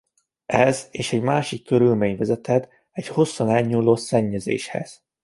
Ez és egy másik körülmény vezetett egy hosszan elnyúló szennyezéshez.